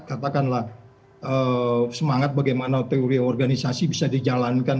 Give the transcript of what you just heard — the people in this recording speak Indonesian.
katakanlah semangat bagaimana teori organisasi bisa dijalankan